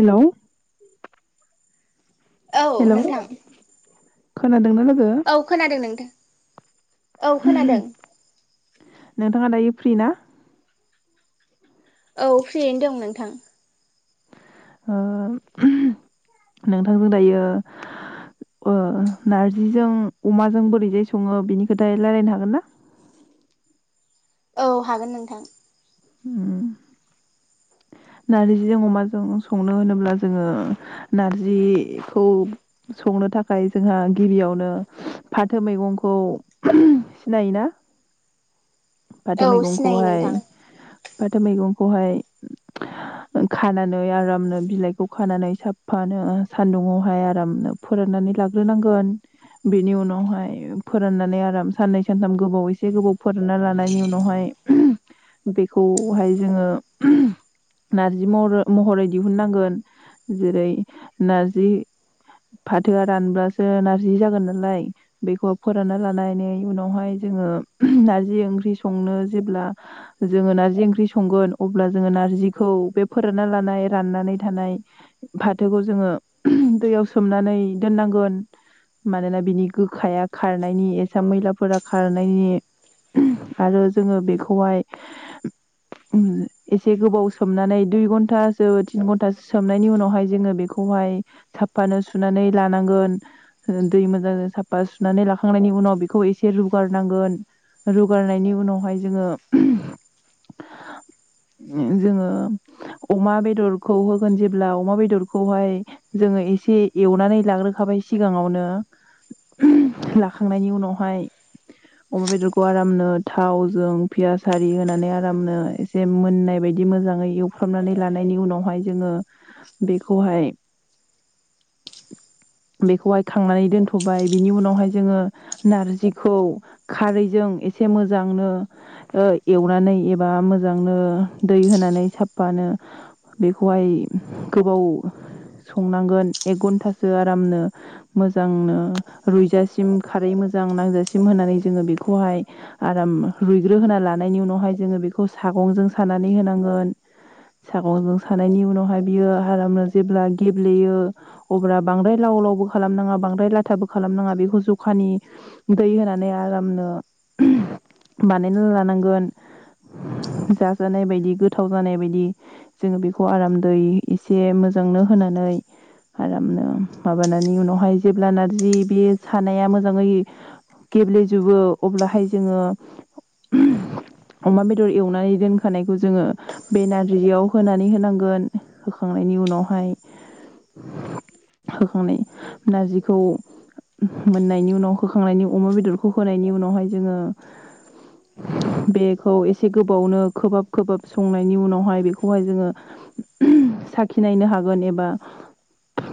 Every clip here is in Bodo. हेल' औ नोंथां खोनादों? औ खोनादों नोंथां। औ खोनादों फ्रिना? औ फ्रियैनो दं नोंथां। ओ नोंथांजों दायो ओ नारजिजों अमाजों बोरैजाय सङो बिनि खोथा रायलायनो हागोन ना? औ हागोन नोंथां ओम नारजिजों अमाजों संनो होनोब्ला जोङो नारजिखौ संनो थाखाय जोंहा गिबियावनो फाथो मैगंखौ सिनायोना? फाथो औ सिनायो मैगंखौहाय नोंथां फाथो मैगंखौहाय खानानै आरामनो बिलाइखौ खानानै साफ्फानो सान्दुङावहाय आरामनो फोराननानै लाग्रोनांगोन बेनि उनावहाय फोराननानै आराम साननै सानथाम गोबाव एसे गोबाव फोरानना लानायनि उनावहाय ओम बेखौहाय जोङो नारजि महर महरै दिहुननांगोन जेरै नारजि फाथोआ रानब्लासो नारजि जागोन नालाय बेखौ फोरानना लानानै उनावहाय जोङो नारजि ओंख्रि संनो जेब्ला जोङो नार्जि ओंख्रि संगोन अब्ला जोङो नारजिखौ बे फोरानना लानाय राननानै थानाय फाथोखौ जोङो दैयाव सोमनानै दोननांगोन मानोना बिनि गोखाया खारनायनि एसा मैलाफोरा खारनायनि आरो जोङो बेखौहाय एसे गोबाव सोमनानै दुइ घन्टासो तिन घन्टासो सोमनायनि उनावहाय जोङो बेखौहाय साफ्फानो सुनानै लानांगोन दै मोजां साफा सुनानै लाखांनायनि उनाव बेखौ एसे रुगारनांगोन रुगारनायनि उनावहाय जोङो जोङो अमा बेदरखौ होगोन जेब्ला अमा बेदरखौहाय जोङो एसे एवनानै लाग्रोखाबाय सिगाङावनो लाखांनायनि उनावहाय अमा बेदरखौ आरामनो थावजों पियास आरि होनानै आरामनो एसे मोननाय बायदि मोजाङै एवफ्रामनानै लानायनि उनावहाय जोङो बेखौहाय बेखौहाय खांनानै दोनथ'बाय बिनि उनावहाय जोङो नारजिखौ खारैजों एसे मोजांनो ओ एवनानै एबा मोजांनो दै होनानै साफानो बेखौहाय गोबाव संनांगोन एक घन्टा सो आरामनो मोजांनो रूयजासिम खारै मोजां नांजासिम होनानै जोङो बेखौहाय आराम रुइग्रो होना लानायनि उनावहाय जोङो बे खौ सागंजों सानानै होनांगोन, सागंजों सानायनि उनावहाय बियो आरामनो जेब्ला गेब्लेयो अब्ला बांद्राय लाव लावबो खालामनाङा बांद्राय लाथाबो खालामनाङा बेखौ जखानि दै होनानै आरामनो बानायना लानांगोन। जाजानाय बायदि गोथाव जानाय बायदि। जोङो बेखौ आरामदै एसे मोजांनो होनानै आरामनो माबानानै उनावहाय जेब्ला नारजि बे सानाया मोजाङै गेब्लेजोबो अब्लाहाय जोङो अमा बेदर एवनानै दोनखानायखौ जोङो बे नारजियाव होनानै होनांगोन। होखांनायनि उनावहाय होखांनाय नारजिखौ मोननायनि उनाव होखांनायनि अमा बेदरखौ होनायनि उनावहाय जोङो बे खौ एसे गोबावनो खोबहाब खोबहाब संनायनि उनावहाय बेखौहाय जोङो साखिनायनो हागोन एबा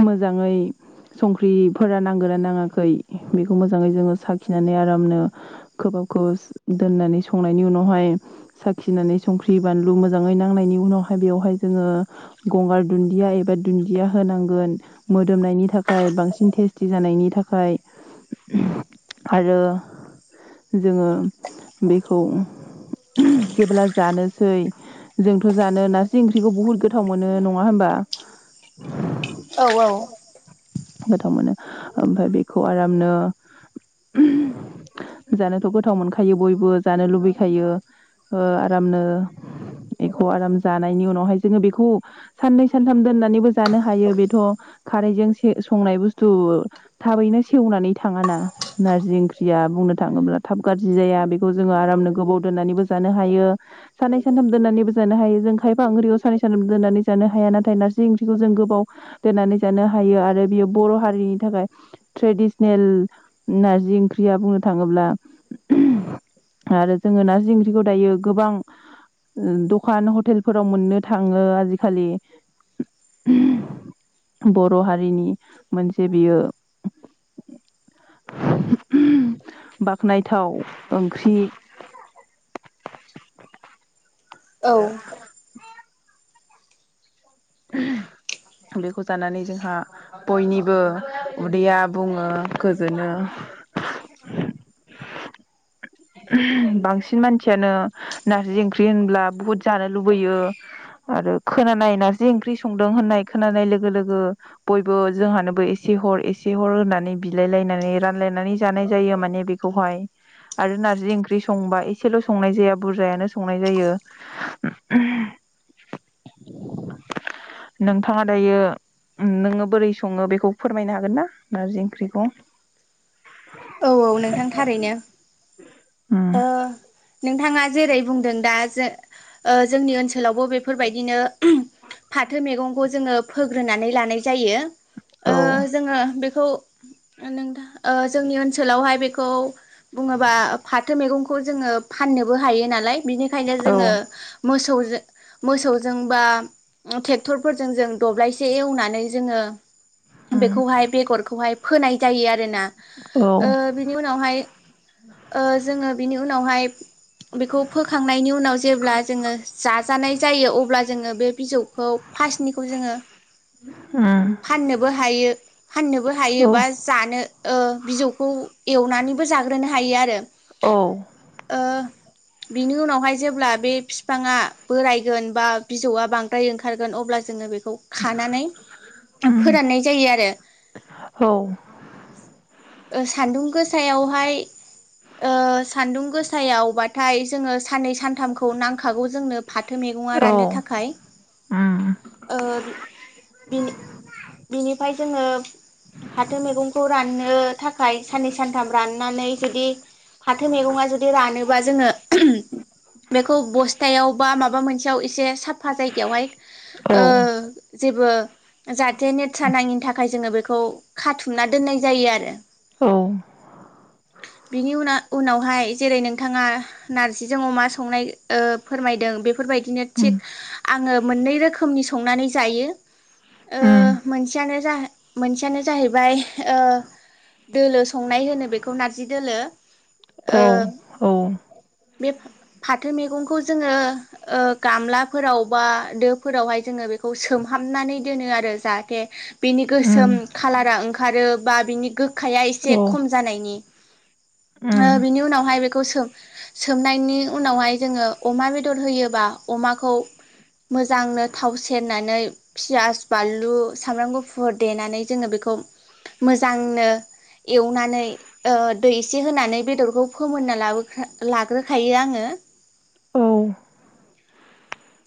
मोजाङै संख्रिफोरा नांगोना नाङाखै बेखौ मोजाङै जोङो साखिनानै आरामनो खोबहाब खोबहाब दोननानै संनायनि उनाव हाय साखिनानै संख्रि बानलु मोजाङै नांनायनि उनावहाय बेवहाय जोङो गंगार दुन्दिया एबा दुन्दिया होनांगोन मोदोमनायनि थाखाय बांसिन टेस्टि जानायनि थाखाय आरो जोङो बेखौ जेब्ला जानोसै जोंथ' जानो नारजि ओंख्रिखौ बुहुद गोथाव मोनो नङा होमबा? औ औ गोथाव मोनो। ओमफफ्राय बेखौ आरामनो जानोथ' गोथाव मोनखायो बयबो जानो लुबैखायो ओ आरामनो बेखौ आराम जानायनि उनावहाय जोङो बेखौ साननै सानथाम दोननानैबो जानो हायो बेथ' खारैजों संनाय बुस्थु थाबैनो सेवनानै थाङा ना नारजि ओंख्रिया बुंनो थाङोब्ला थाब गाज्रि जाया बेखौ जोङो आरामनो गोबाव दोननानैबो जानो हायो। सानै सानथाम दोननानैबो जानो हायो जों खायफा ओंख्रिखौ सानै सानथाम दोननानै जानो हाया नाथाय नारजि ओंख्रिखौ जों गोबाव दोननानै जानो हायो आ रो बेयो बर' हारिनि थाखाय ट्रेडिसनेल नारजि ओंख्रिया बुंनो थाङोब्ला आरो जोङो नारजि ओंख्रिखौ दायो गोबां दखान हटेलफोराव मोननो थाङो आजिखालि बर' हारि रिनि मोनसे बेयो बाख्नायथाव ओंख्रि। औ आरो [inaudible] बेखौ जानानै जोंहा बयनिबो उदैया बुङो गोजोनो। बांसिन मानसियानो नारजि ओंख्रि होनब्ला बुहुद जानो लुबैयो आरो खोनानाय नारजि ओंख्रि संदों होननाय खोनानाय लोगो लोगो बयबो जोंहानोबो एसे हर एसे हर होनानै बिलायलायनानै रानलायनानै जानाय जायो माने बेखौहाय। आरो नार्जि ओंख्रि संबा एसेल' संनाय जाया बुरजायानो संनाय जायो नोंथाङा दायो नोङो बोरै सङो बेखौ फोरमायनो हागोन ना नारजि ओंख्रिखौ? औ औ नोंथां थारैनो उम ओ नोंथाङा जेरै बुंदों दा जो ओ जोंनि ओनसोलावबो बेफोरबायदिनो फाथो मैगंखौ जोङो फोग्रोनानै लानाय जायो। ओ औ जोङो बे थ' ओ नोंथां ओ जोंनि ओनसोलावहाय बेखौ बुङोबा फाथो मैगंखौ जोङो फाननोबो हायो नालाय बिनिखायनो औ जोङो मोसौ मोसौजों बा ट्रेक्टरफोरजों जों दब्लायसे एवनानै जोङो उम बेखौहाय बेगरखौहाय फोनाय जायो आरोना औ ओ बिनि उनावहाय ओ जोङो बिनि उनावहाय बेखौ फोखांनायनि उ नाव जेब्ला जोङो जा जानाय जायो अब्ला जोङो बे बिजौखौ फार्स्टनिखौ जोङो उम फाननोबो हायो। फाननोबो हायो औ बा जानो ओ बिजौखौ एवनानैबो जाग्रोनो हायो आरो। औ ओ बिनि उनावहाय जेब्ला बे बिफांङा बोरायगोन बा बिजौआ बांद्राय ओंखारगोन अब्ला जोंङो बे खौ खानानै उम फोराननाय जायो आरो औ सान्दुं गोसायावहाय ओ सान्दुं गोसायावबाथाय जोंङो साननै सानथामखौ नांखागौ जोंनो। फाथो मेगंङा औ राननो थाखाय उम ओ बिनि बिनिफ्राय जोंङो फाथो मैगंखौ राननो थाखाय सानै सनथाम जुदि फाथो मेगंआ जुदि रानोबा जोंङो बेखौ बथायावा माबा मोनसे से साफा जायगाआव औ ओ जेबो जाथे नेथ्रा नाङि थाखाय जोंङों बे खौ खाथुमना दोननाय जायो। आरो औ बिनि उना उनावहाय जेरै नोंथांङा नारजिजों अमा संनाय ओ फोरमायदों बे बेफोर बायदिनो उम थिग आंङों मोनै रोखोमनि संनानै जायो, ओ उम मोनसेयानो जा मोनसेयानो जाहैबाय ओ दोलो संनाय होनो बेखौ नारजि दोलो, औ ओ औ बे फाथो मैगंखौ जोंङो ओ गामलाफोराव बा दोफोरावहाय जोंङो बेखौ सोमहाबनानै दोनो आरो जाहाथे बिनि गोसोम खालारा ओंखारो बा बिनि गोखाया एसे खम जानायनि [inaudible] ओ बिनि उनावहाय बेखौ सों सोमनायनि उनावहाय जोंङो अमा बेदर होयोबा अमाखौ मोजांनो थाव सेरनानै फियास बानलु सामब्राम गुफुर देनानै जोंङो बेखौ मोजां ओ एवनानै ओ दै एसे होनानै बेदरखौ फोमोननानै लाग्रो लाग्रोखायो आंङो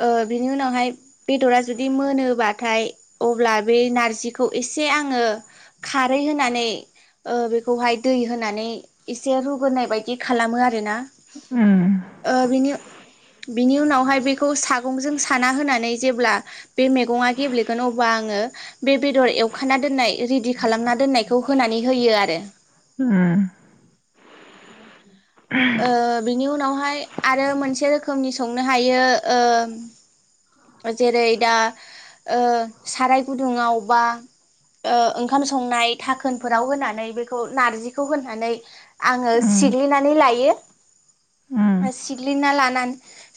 ओ बिनि उनावहाय बेदरा जुदि मोनोबाथाय अब्ला बे नारजिखौ एसे आंङो खारै होनानै ओ बेखौहाय दै होनानै एसे रुग्रोनाय बायदि खालामो आरोना ओ बिनि बिनि उनावहाय बे सागंजों साना होनानै जेब्ला बे मेगंङा गेब्लेगोन अब्ला आंङो बे बेदर एवखाना दोननाय रेडि खालामना दोननायखौ होनानै होयो आरो ओ बिनि उनावहाय आरो मोनसे रोखोमनि संनो हायो ओ जेरै दा ओ साराय गुदुंङाव बा ओ ओंखाम संनाय डाखोनफोराव होनानै बेखौ नारजिखौ होनानै आंङो सिग्लिनानै लायो, लायो सिग्लिना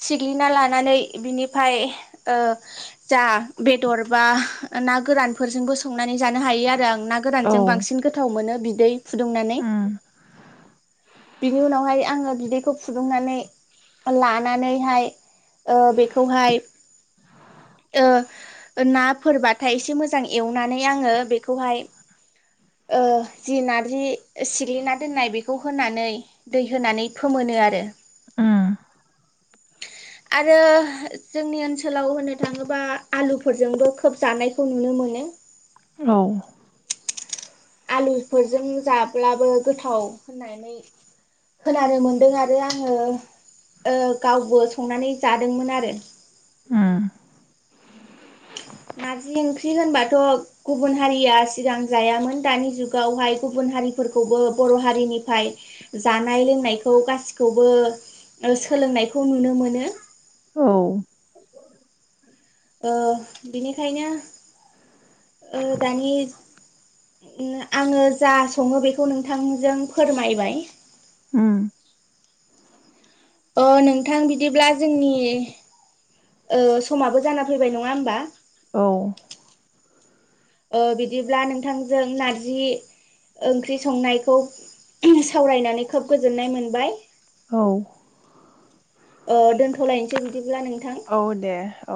सिग्लिना लानानै बिनिफ्राय ओ जा बेदर बा ना गोरानफोरजोंबो संनानै जानो हायो आरो आं ना गोरानजों बांसिन गोथाव मोनो बिदै फुदुंनानै, बिनि उनाव बिहाय आंङो बिदैखौ फुदुंनानै लानानैहाय ओ बेखौहाय ओ ना फोरबाथाय एसे मोजां एवनानै आंङो बेखौहाय ओ जि नारजि सिग्लि ना दोननाय बेखौ होनानै दै होनानै फोमोनो आरो आरो जोंनि ओनसोलाव होनो थांङोबा आलुफोरजोंबो खोब जानायखौ नुनो मोनो, औ। आलुफोरजों जाब्लाबो गोथाव होननानै खोनानो मोनदों आरो आंङो गावबो संनानै जादोंमोन आरो नारजि ओंख्रि होनबाथ' गुबुन हारिया सिगां जायामोन दानि जुगावहाय गुबुन हारिफोरखौबो बर' हारिनिफ्राय जानाय लोंनायखौ गासिखौबो सोलोंनायखौ नुनो मोनो, नो औ ओ बिनिखायनो ओ दानि उम आङो जा सङो बेखौ नोंथांजों फोरमायबाय उम अ नोंथां बिदिब्ला जोंनि ओ समाबो जाना फैबाय नङा होमबा? औ। ओ बिदिब्ला नोंथांजों नारजि ओंख्रि संनायखौ सावरायनानै खोब गोजोननाय मोनबाय। औ। ओ दोनथ'लायनोसै बिदिब्ला नोंथ औ दे औ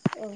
औ।